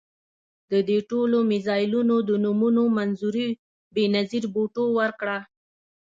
د دې ټولو میزایلونو د نومونو منظوري بېنظیر بوټو ورکړه.